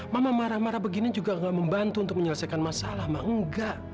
mama marah marah begini juga gak membantu untuk menyelesaikan masalah mama enggak